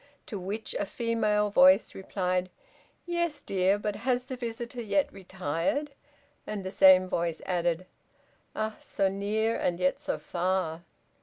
To which a female voice replied, "Yes, dear, but has the visitor yet retired?" And the same voice added "Ah! so near, and yet so far!"